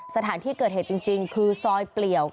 สถานที่เกิดเหตุจริงคือซอยเปลี่ยว